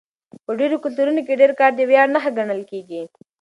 په ډېرو کلتورونو کې ډېر کار د ویاړ نښه ګڼل کېږي.